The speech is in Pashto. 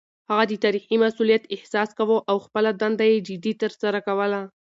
هغه د تاريخي مسووليت احساس کاوه او خپله دنده يې جدي ترسره کوله.